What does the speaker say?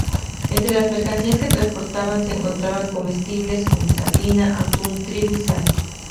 Entre las mercancías que transportaban se encontraban comestibles, como sardina, atún, trigo y sal.